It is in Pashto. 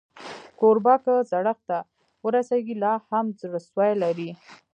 کوربه که زړښت ته ورسېږي، لا هم زړهسوی لري.